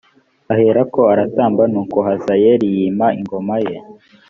aherako aratanga nuko hazayeli yima ingoma ye